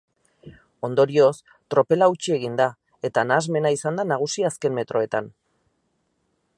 Ondorioz, tropela hautsi egin da eta nahasmena izan da nagusi azken metroetan.